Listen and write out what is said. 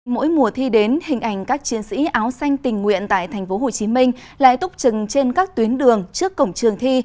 mỗi mùa thi đến hình ảnh các chiến sĩ áo xanh tình nguyện tại tp hcm lại túc trừng trên các tuyến đường trước cổng trường thi